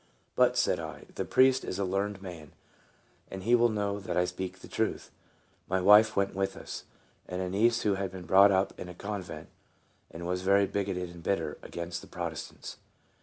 " But," said I, " the priest is a learned man, and he will know that I speak the truth." My wife went with us, and a niece who had been brought up in a convent, and was very bigoted and bitter against the Protestants.